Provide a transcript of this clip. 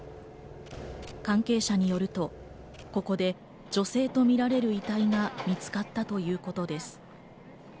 関係者によると、ここで女性とみられる遺体が見つかったということです。